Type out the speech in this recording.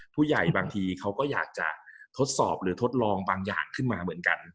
บางทีเขาก็อยากจะทดสอบหรือทดลองบางอย่างขึ้นมาเหมือนกัน